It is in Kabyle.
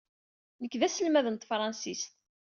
Nekk d aselmad n tefṛensist.